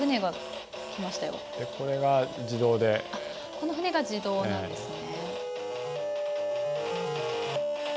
この船が自動なんですね。